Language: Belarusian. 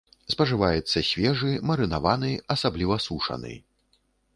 Спажываецца свежы, марынаваны, асабліва сушаны.